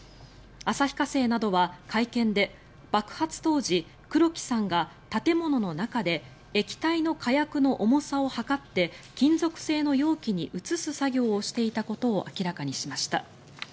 旭化成などは会見で爆発当時、黒木さんが建物の中で液体の火薬の重さを量って金属製の容器に移す作業をしていたことを明らかにしました。